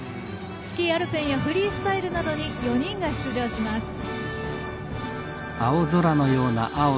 スキー・アルペンやフリースタイルなどに４人が出場します。